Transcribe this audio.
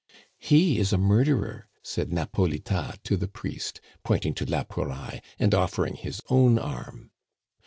"He is a murderer," said Napolitas to the priest, pointing to la Pouraille, and offering his own arm.